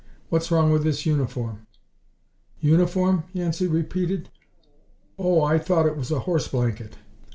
What's wrong with this uniform?" "Uniform?" Yancey repeated. "Oh, I thought it was a horse blanket."